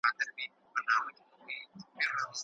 د لنډې اونۍ ازموینه مثبتې پایلې ښيي.